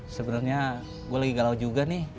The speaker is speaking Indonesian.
sebenarnya gue lagi galau juga nih